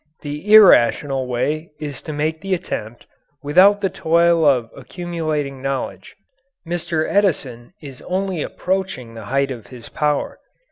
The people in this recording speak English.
The irrational way is to make the attempt without the toil of accumulating knowledge. Mr. Edison is only approaching the height of his power.